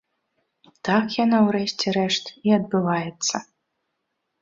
Так яно, у рэшце рэшт, і адбываецца.